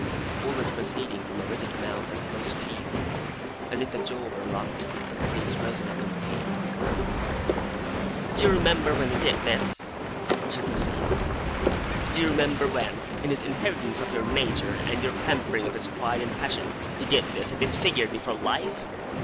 Always proceeding from a rigid mouth and closed teeth, as if the jaw were locked and the face frozen up in pain. 'Do you remember when he did this?' she proceeded. 'Do you remember when, in his inheritance of your nature, and in your pampering of his pride and passion, he did this, and disfigured me for life?